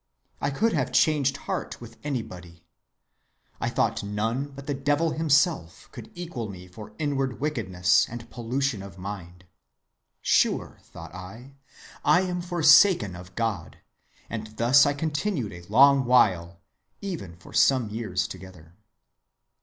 I could have changed heart with anybody. I thought none but the Devil himself could equal me for inward wickedness and pollution of mind. Sure, thought I, I am forsaken of God; and thus I continued a long while, even for some years together.